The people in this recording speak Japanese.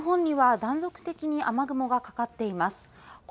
北日本には断続的に雨雲がかかっています。